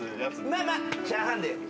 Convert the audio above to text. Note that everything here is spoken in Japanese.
まあまあシャン歯ンで。